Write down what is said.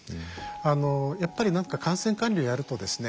あのやっぱり何か感染管理をやるとですね